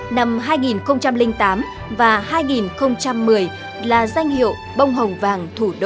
năm hai nghìn tám và hai nghìn một mươi là danh hiệu bông hồng vàng thủ đô